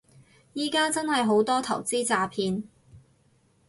而家真係好多投資詐騙